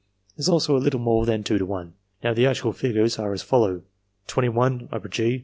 is also a little more than 2 to 1. Now, the actual figures are as follow : 21 G.